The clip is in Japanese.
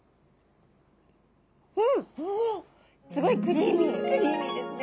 うん。おお！？クリーミーですね。